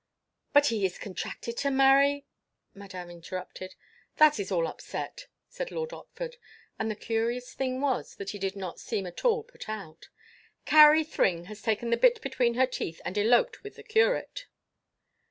"But he is contracted to marry—" Madame interrupted. "That is all upset," said Lord Otford; and the curious thing was that he did not seem at all put out. "Carrie Thring has taken the bit between her teeth and eloped with the curate."